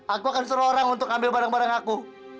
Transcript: aku akan suruh orang untuk ambil barang barang aku